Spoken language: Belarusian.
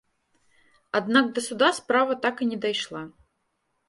Аднак да суда справа так і не дайшла.